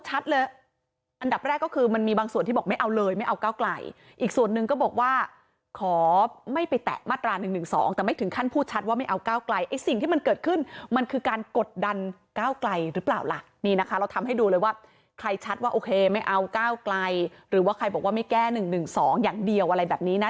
อันดับแรกก็คือมันมีบางส่วนที่บอกไม่เอาเลยไม่เอาก้าวไกลอีกส่วนหนึ่งก็บอกว่าขอไม่ไปแตะมาตรา๑๑๒แต่ไม่ถึงขั้นพูดชัดว่าไม่เอาก้าวไกลไอ้สิ่งที่มันเกิดขึ้นมันคือการกดดันก้าวไกลหรือเปล่าล่ะนี่นะคะเราทำให้ดูเลยว่าใครชัดว่าโอเคไม่เอาก้าวไกลหรือว่าใครบอกว่าไม่แก้๑๑๒อย่างเดียวอะไรแบบนี้นะ